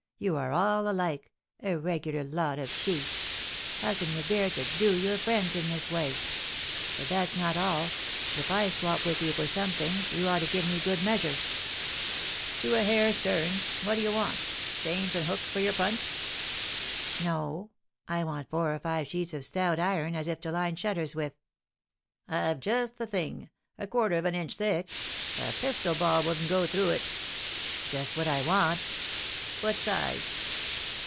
You are all alike, a regular lot of cheats. How can you bear to 'do' your friends in this way? But that's not all; if I swap with you for some things, you ought to give me good measure." "To a hair's turn. What do you want? Chains and hooks for your punts?" "No, I want four or five sheets of stout iron, as if to line shutters with." "I've just the thing, a quarter of an inch thick; a pistol ball wouldn't go through it." "Just what I want." "What size?"